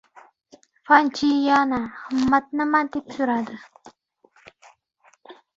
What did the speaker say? Fan Chi yana:— Himmat nima, deb so‘radi.